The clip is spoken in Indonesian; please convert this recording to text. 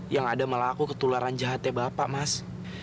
yang ada malah aku ketularan jahatnya bapak mas